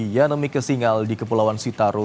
yanemi kasingal di kepulauan sitaro